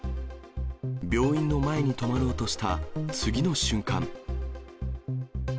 病院の前に止まろうとした次の瞬間。